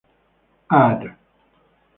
Add.